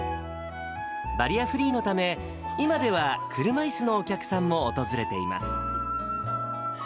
バリアフリーのため、今では車いすのお客さんも訪れています。